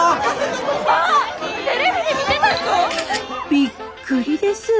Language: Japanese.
びっくりです。